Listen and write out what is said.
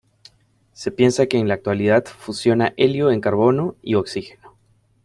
Se piensa que en la actualidad fusiona helio en carbono y oxígeno.